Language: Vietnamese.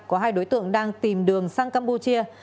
có hai đối tượng đang tìm đường sang campuchia